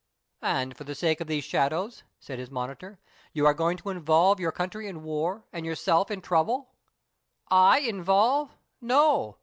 "And for the sake of these shadows," said his monitor, "you are going to involve your country in war and yourself in trouble?" "I involve? No!